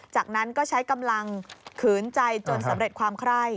จากนั้นก็ใช้กำลังขืนใจจนสำเร็จความไคร้